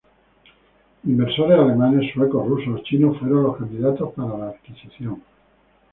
Inversores alemanes, suecos, rusos o chinos fueron los candidatos para la adquisición.